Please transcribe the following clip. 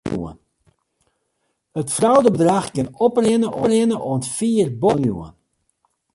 It fraudebedrach kin oprinne oant fier boppe it miljoen.